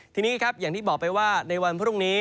ทีนี้ครับอย่างที่บอกไปว่าในวันพรุ่งนี้